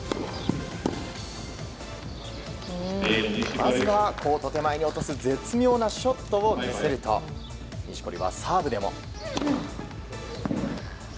まずはコート手前に落とす絶妙なショットを見せると錦織はサーブでも。